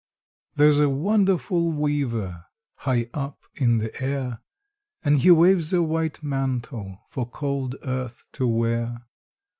There's a wonderful weaver High up in the air, And he waves a white mantle, For cold earth to wear.